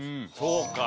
そうか。